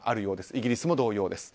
イギリスも同様です。